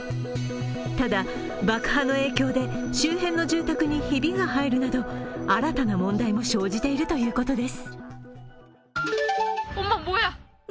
ただ、爆破の影響で周辺の住宅にひびが入るなど新たな問題も生じているということです。